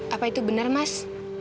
apa itu benar mas